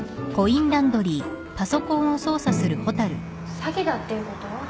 詐欺だっていうこと？